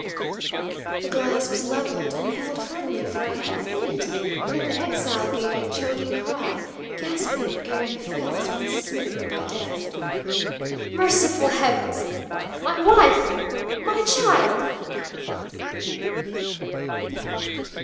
The glass was levelled and held firmly for a half minute, then the exile gave a choking cry, gasping, ere he fell as one smitten by death: "Merciful heavens! My wife my child!"